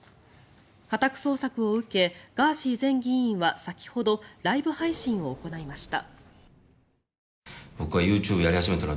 家宅捜索を受けガーシー前議員は先ほどライブ配信を行いました。